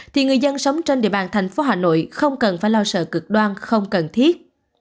thì người dân sống trên địa bàn thành phố hà nội không cần phải lo sợ cực đoan không cần thiết